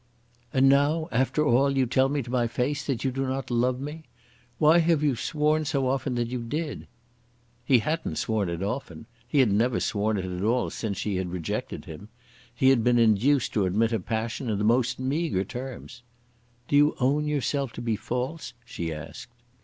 "And now, after all, you tell me to my face that you do not love me! Why have you sworn so often that you did?" He hadn't sworn it often. He had never sworn it at all since she had rejected him. He had been induced to admit a passion in the most meagre terms. "Do you own yourself to be false?" she asked.